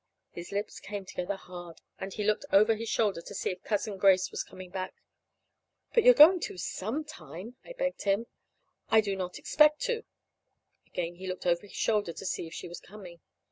His lips came together hard, and he looked over his shoulder to see if Cousin Grace was coming back. "But you're going to sometime," I begged him. "I do not expect to." Again he looked over his shoulder to see if she was coming.